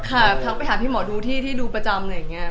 ค่ะทักไปหาพี่หมอดูที่ดูประจำ